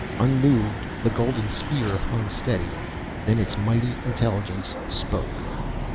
Unmoved, the golden sphere hung steady, then its mighty intelligence spoke.